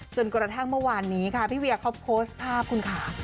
จนกระทั่งเมื่อวานนี้ค่ะพี่เวียเขาโพสต์ภาพคุณค่ะ